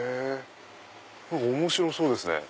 面白そうですね。